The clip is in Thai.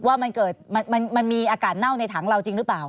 ว่ามันเกิดมันมีอากาศเน่าในถังเราจริงหรือเปล่า